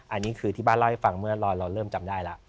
อันนี้คือที่บ้านเล่าให้ฟังเมื่อเราเริ่มจำได้แล้ว